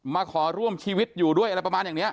มาขอร่วมชีวิตอยู่ด้วยอะไรประมาณอย่างนี้